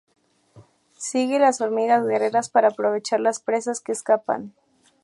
Sigue las hormigas guerreras para aprovechar las presas que escapan.